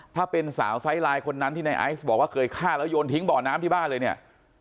ถ้าเป็นสาวไซส์ไลน์คนนั้นที่ในไอซ์บอกว่าเคยฆ่าแล้วโยนทิ้งบ่อน้ำที่บ้านเลยเนี่ย